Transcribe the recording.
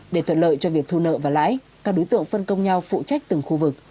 để thuận lợi cho việc thu nợ và lãi các đối tượng phân công nhau phụ trách từng khu vực